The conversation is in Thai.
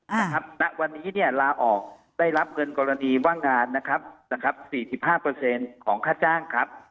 นะครับณวันนี้ละออกได้รับเงินกรณีว่างงาน๔๕ของค่าจ้างครับ